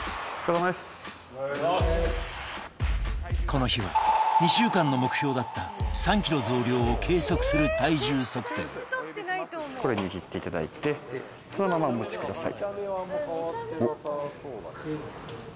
この日は２週間の目標だった３ｋｇ増量を計測する体重測定これ握っていただいてそのままお待ちください